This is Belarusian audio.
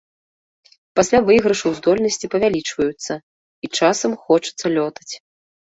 Пасля выйгрышаў здольнасці павялічваюцца, і часам хочацца лётаць.